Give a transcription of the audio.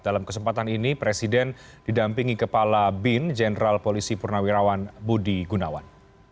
dalam kesempatan ini presiden didampingi kepala bin jenderal polisi purnawirawan budi gunawan